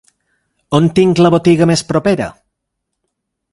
On tinc la botiga més propera?